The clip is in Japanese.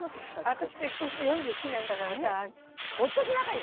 私結婚して４７年だからさ夫と仲いい！